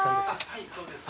はいそうです。